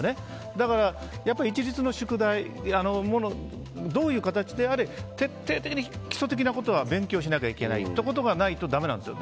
だから一律の宿題どういう形であれ徹底的に基礎的なことは勉強しなきゃいけないということがないとだめなんですよ。